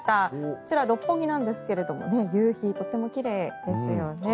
こちら、六本木なんですが夕日、とても奇麗ですよね。